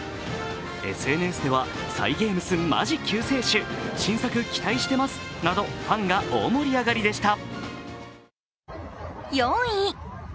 ＳＮＳではＣｙｇａｍｅｓまじ救世主、新作期待してますなどファンが大盛り上がりでした。